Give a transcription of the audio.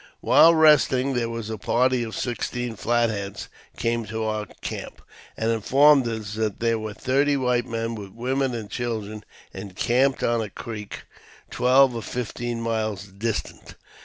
*^ While resting there a party of sixteen Flat Heads came to our camp, and informed us that there were thirty white men, with women and children, encamped on a creek twelve or fifteen miles distant.